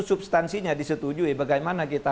substansinya disetujui bagaimana kita